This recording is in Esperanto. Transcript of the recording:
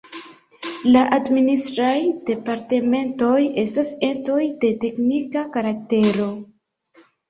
La Administraj Departementoj estas entoj de teknika karaktero.